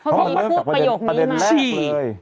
เพราะพวกนี้พูดประโยคนี้มาฉี่